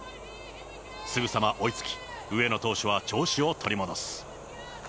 すぐさま追いつき、上野投手は調子を取り戻す。